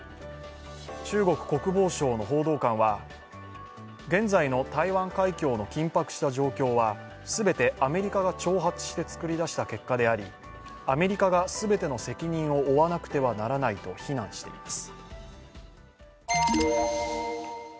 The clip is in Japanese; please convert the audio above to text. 中国国防省の報道官は現在の台湾海峡の緊迫した状況は全てアメリカが挑発して作り上げた結果でありアメリカが全ての責任を負わなくてはならないと非難しています。